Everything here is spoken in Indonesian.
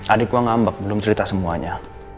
adik gue ngambek belum cerita semuanya